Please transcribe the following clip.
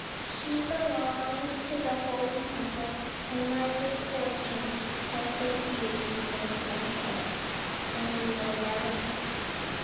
She belongs to the holy temple, and my good fortune has sent you to me instead of her; and we will never part."